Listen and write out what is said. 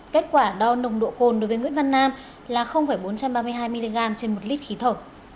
kết quả đo nồng độ cồn đối với nguyễn văn nam là bốn trăm ba mươi hai mg trên một lít khí thở